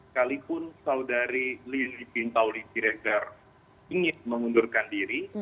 kalaupun saudari lili pintauli si rekar ingin mengundurkan diri